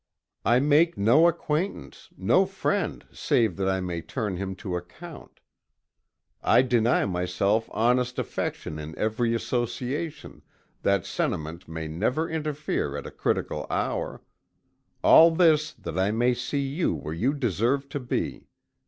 I make no acquaintance, no friend save that I may turn him to account. I deny myself honest affection in every association, that sentiment may never interfere at a critical hour all this that I may see you where you deserve to be.